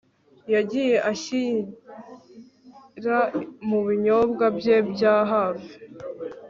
yagiye agishyira mubinyobwa bye bya hafi